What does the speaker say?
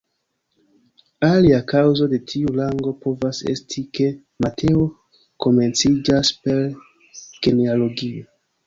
Alia kaŭzo de tiu rango povas esti, ke Mateo komenciĝas per genealogio.